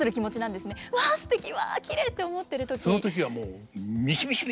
「わすてきわきれい」って思ってる時。